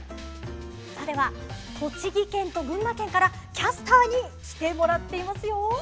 さあでは栃木県と群馬県からキャスターに来てもらっていますよ。